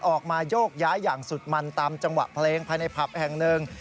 ออกมาโยกย้ายอย่างสุดมันตามจังหวะเพลงภายในผับแห่งหนึ่ง